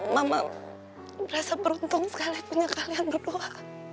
mama merasa beruntung sekali punya kalian berdoa